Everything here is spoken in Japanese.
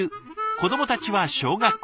子どもたちは小学校。